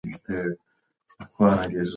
لږ ګرځېدل هاضمې ته ګټه لري.